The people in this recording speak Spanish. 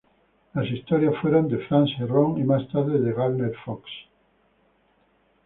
Las historias fueron de France Herron y más tarde de Gardner Fox.